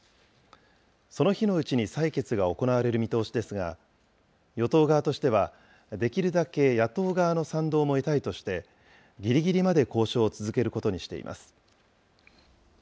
その日のうちに採決が行われる見通しですが、与党側としては、できるだけ野党側の賛同も得たいとして、ぎりぎりまで交渉を続けることにしています。